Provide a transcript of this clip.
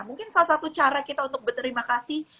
mungkin salah satu cara kita untuk berterima kasih